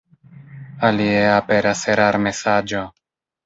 Alie aperas erarmesaĝo.